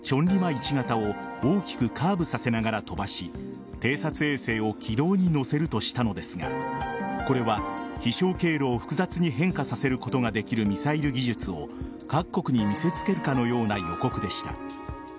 １型を大きくカーブさせながら飛ばし偵察衛星を軌道に乗せるとしたのですがこれは飛翔経路を複雑に変化させることができるミサイル技術を各国に見せ付けるかのような予告でした。